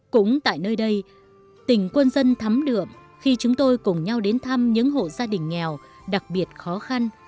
cũng tại nơi đây tỉnh quân dân thắm đượm khi chúng tôi cùng nhau đến thăm những hộ gia đình nghèo đặc biệt khó khăn